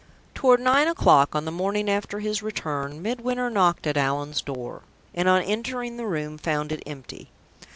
Toward nine o'clock on the morning after his return Midwinter knocked at Allan's door, and on entering the room found it empty.